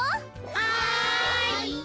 はい！